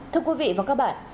thưa quý vị và các bạn